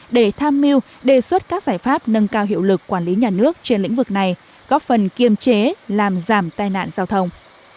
để tham mưu đề xuất các giải pháp nâng cao hiệu lực quản lý nhà nước trên lĩnh vực này góp phần kiêm chế làm giảm tai nạn giao thông